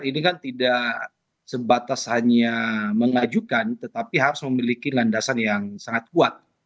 ini kan tidak sebatas hanya mengajukan tetapi harus memiliki landasan yang sangat kuat